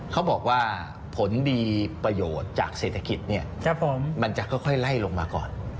เขาบอกว่าผลดีประโยชน์จากเศรษฐกิจเนี่ยมันจะค่อยไล่ลงมาก่อน